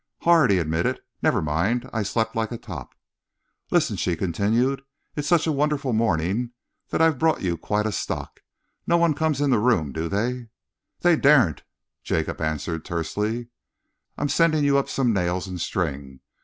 "Hard," he admitted. "Never mind, I've slept like a top." "Listen," she continued. "It's such a wonderful morning that I've brought you quite a stock. No one comes in the room, do they?" "They daren't," Jacob answered tersely. "I'm sending you up some nails and string.